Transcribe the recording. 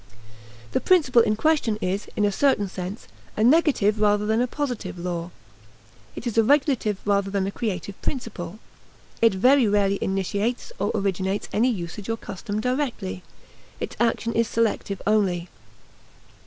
The principle in question is, in a certain sense, a negative rather than a positive law. It is a regulative rather than a creative principle. It very rarely initiates or originates any usage or custom directly. Its action is selective only.